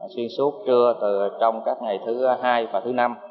xuyên suốt trưa trong các ngày thứ hai và thứ năm